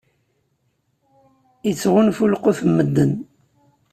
Ittɣunfu lqut n medden.